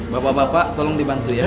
bapak bapak tolong dibantu ya